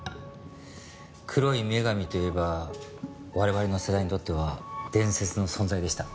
黒い女神といえば我々の世代にとっては伝説の存在でした。